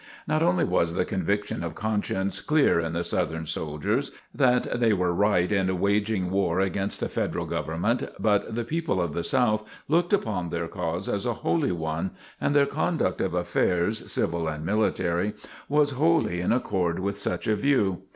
Not only was the conviction of conscience clear in the Southern soldiers, that they were right in waging war against the Federal government, but the people of the South looked upon their cause as a holy one, and their conduct of affairs, civil and military, was wholly in accord with such a view.